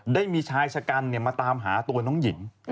ได้มีชายชะกันมาตามหาตัวน้องหญิง